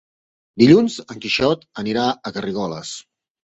Dilluns en Quixot anirà a Garrigoles.